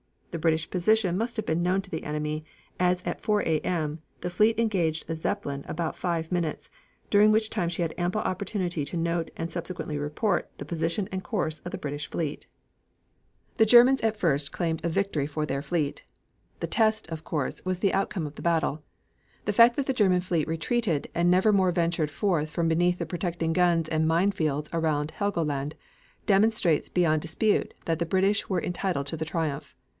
The British position must have been known to the enemy, as at 4 A.M. the fleet engaged a Zeppelin about five minutes, during which time she had ample opportunity to note and subsequently report the position and course of the British fleet. The Germans at first claimed a victory for their fleet. The test, of course, was the outcome of the battle. The fact that the German fleet retreated and nevermore ventured forth from beneath the protecting guns and mine fields around Helgoland, demonstrates beyond dispute that the British were entitled to the triumph.